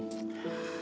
aku mau pergi